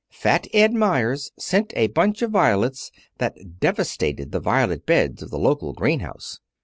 Fat Ed Meyers sent a bunch of violets that devastated the violet beds at the local greenhouse.